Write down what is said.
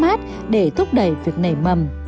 mát để thúc đẩy việc nảy mầm